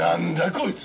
こいつ。